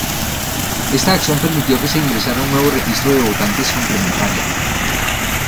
Esta acción permitió que se ingresara un nuevo registro de votantes complementaria.